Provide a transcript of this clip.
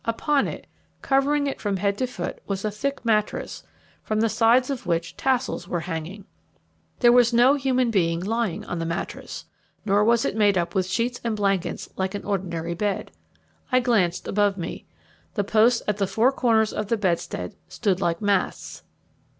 Upon it, covering it from head to foot, was a thick mattress, from the sides of which tassels were hanging. There was no human being lying on the mattress, nor was it made up with sheets and blankets like an ordinary bed. I glanced above me. The posts at the four corners of the bedstead stood like masts.